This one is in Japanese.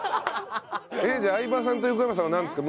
じゃあ相葉さんと横山さんはなんですか？